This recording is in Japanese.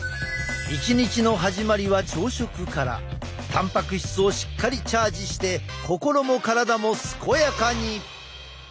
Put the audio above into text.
たんぱく質をしっかりチャージして心も体も健やかに。